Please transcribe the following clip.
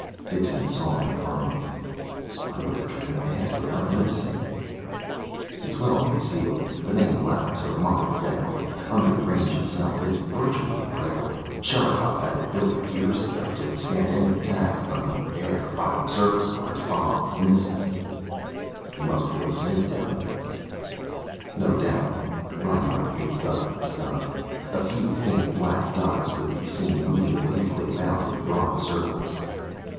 Dixon saw them finally. "I would have driven past without noticing." "It's well concealed. The main labs are a mile down. Under the range itself. It's virtually impregnable. Sherikov had it built years ago, to withstand any attack. From the air, by surface cars, bombs, missiles " "He must feel safe down there." "No doubt." Reinhart gazed up at the sky. A few faint black dots could be seen, moving lazily about, in broad circles.